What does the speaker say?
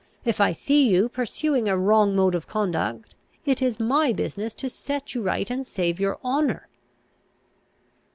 If I see you pursuing a wrong mode of conduct, it is my business to set you right and save your honour."